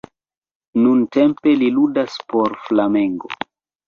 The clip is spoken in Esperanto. Nuntempe li ludas por Flamengo.